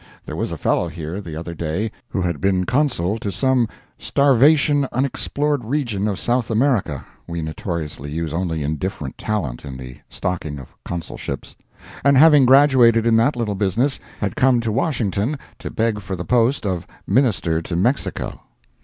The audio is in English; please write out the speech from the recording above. There was a fellow here the other day who had been Consul to some starvation unexplored region of South America (we notoriously use only indifferent talent in the stocking of Consulships,) and having graduated in that little business, had come to Washington to beg for the post of Minister to Mexico!